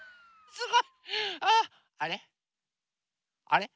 あれ？